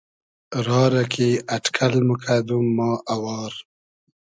را رۂ کی اݖکئل موکئدوم ما اوار